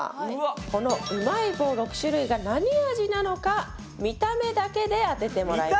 このうまい棒６種類が何味なのか見た目だけで当ててもらいます。